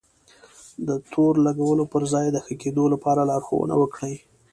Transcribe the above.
د تور لګولو پر ځای د ښه کېدو لپاره لارښونه وکړئ.